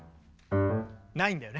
ないんだよね